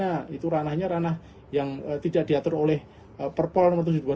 nah itu ranahnya ranah yang tidak diatur oleh perpol